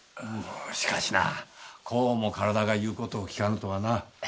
しかしなこうも体が言う事を聞かぬとはな。